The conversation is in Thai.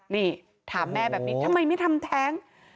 นี่ถามแม่แบบนี้ทำไมไม่ทำแท้ง